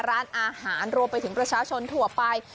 ร้านอาหารรวมไปถึงประชาชนทั่วไป